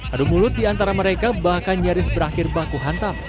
adu mulut di antara mereka bahkan nyaris berakhir baku hantam